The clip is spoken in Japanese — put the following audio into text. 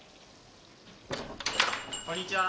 こんにちは。